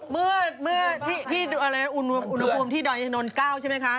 มืดมืดที่อุณหภูมิที่นอนเก้าใช่ไหมคะ